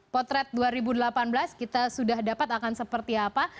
potret dua ribu delapan belas kita sudah dapat akan seperti apa